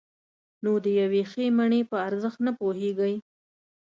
نو د یوې ښې مڼې په ارزښت نه پوهېږئ.